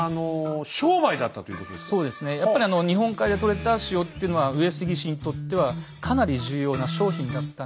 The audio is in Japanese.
やっぱり日本海でとれた塩っていうのは上杉氏にとってはかなり重要な商品だったんで。